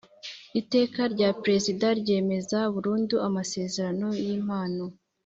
Iteka rya Perezida ryemeza burundu amasezerano y impano